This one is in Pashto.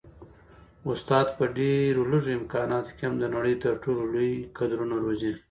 استاد په ډېر لږ امکاناتو کي هم د نړۍ تر ټولو لوی کدرونه روزي.